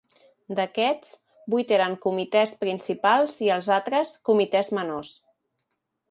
D'aquests, vuit eren comitès principals i els altres, comitès menors.